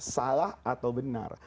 salah atau benar